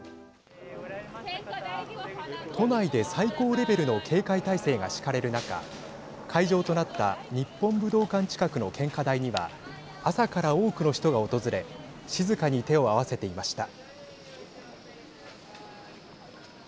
都内で最高レベルの警戒態勢が敷かれる中会場となった日本武道館近くの献花台には朝から多くの人が訪れ静かに手を合わせていました。